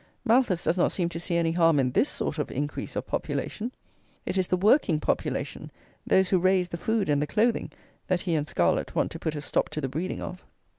Malthus does not seem to see any harm in this sort of increase of population. It is the working population, those who raise the food and the clothing, that he and Scarlett want to put a stop to the breeding of!